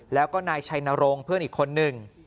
แล้วก็นายชัยนรงค์เพื่อนอีกคนหนึ่ง